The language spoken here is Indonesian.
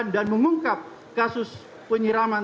dan mengungkap kasus penyiraman